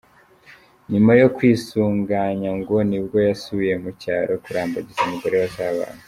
Nyuma yo kwisuganya ngo nibwo yasubiye mu cyaro kurambagiza umugore bazabana.